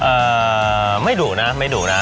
อ่าไม่ดุนะไม่ดุนะ